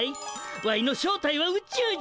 ワイの正体は宇宙人や。